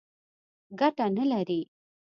ګټه نه لري.